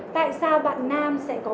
tại sao bạn nam sẽ có